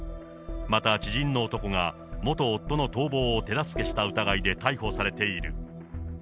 また知人の男が、元夫の逃亡を手助けした疑いで逮捕されている。